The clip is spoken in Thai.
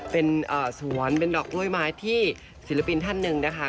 เป็นสวนเป็นดอกกล้วยไม้ที่ศิลปินท่านหนึ่งนะคะ